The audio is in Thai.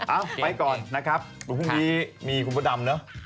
ไปก่อนนะครับวันพรุ่งนี้มีคุณพ่อดำเนอะ